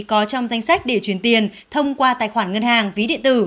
có trong danh sách để truyền tiền thông qua tài khoản ngân hàng ví điện tử